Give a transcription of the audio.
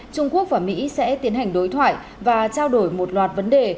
trung quốc và mỹ sẽ tiến hành đối thoại và trao đổi một loạt vấn đề